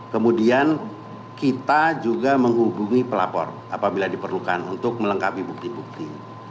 kemudian kita juga menghubungi pelapor apabila diperlukan untuk melengkapi bukti bukti